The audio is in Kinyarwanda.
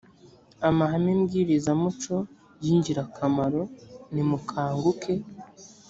amahame mbwirizamuco y ingirakamaro nimukanguke